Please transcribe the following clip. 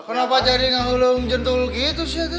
kenapa jadi ngelulung jentul gitu sute